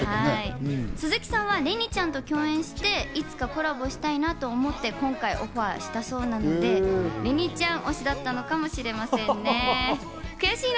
鈴木さんは、れにちゃんと共演して、いつかコラボしたいなと思って今回オファーしたそうなので、れにちゃん推しだったのかもしれませんね、悔しいな。